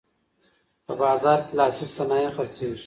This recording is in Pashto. په بازار کې لاسي صنایع خرڅیږي.